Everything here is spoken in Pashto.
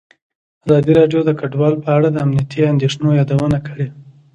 ازادي راډیو د کډوال په اړه د امنیتي اندېښنو یادونه کړې.